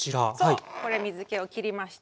これ水けをきりました。